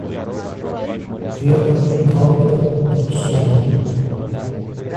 Vila Nova do Sul